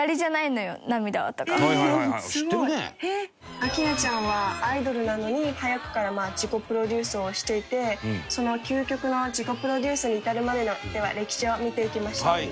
「明菜ちゃんはアイドルなのに早くから自己プロデュースをしていてその究極の自己プロデュースに至るまでのでは歴史を見ていきましょう」